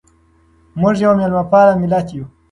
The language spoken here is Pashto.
موږ یو مېلمه پال ملت یو.